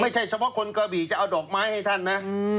เฉพาะคนกระบี่จะเอาดอกไม้ให้ท่านนะ